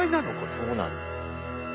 そうなんです。